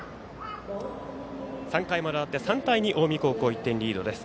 ３回まで終わって、近江高校１点リードです。